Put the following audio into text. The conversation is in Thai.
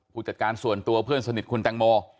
ผู้จัดการส่วนตัวเพื่อนสนิทคุณแตงโม